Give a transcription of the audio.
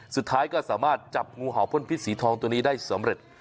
สุดท้ายก็สามารถจับงูเห่าพ่นพิษสีทองตัวนี้ได้สำเร็จ